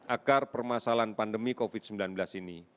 akar permasalahan pandemi covid sembilan belas ini